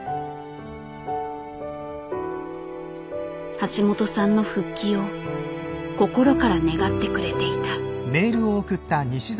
橋本さんの復帰を心から願ってくれていた。